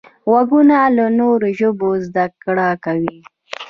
غوږونه له نوو ژبو زده کړه کوي